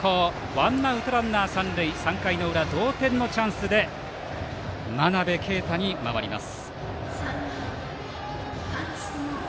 ワンアウトランナー、三塁３回の裏、同点のチャンスで真鍋慧に回ります。